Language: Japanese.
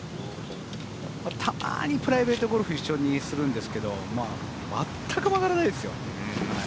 たまにプライベートゴルフ一緒にするんですけど全く曲がらないですよ。